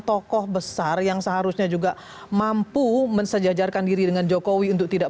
tokoh besar yang seharusnya juga mampu mensejajarkan diri dengan jokowi untuk tidak